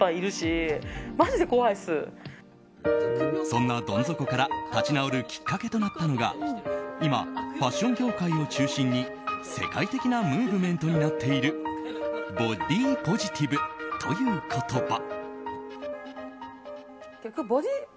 そんなどん底から立ち直るきっかけになったのが今、ファッション業界を中心に世界的なムーブメントになっているボディーポジティブという言葉。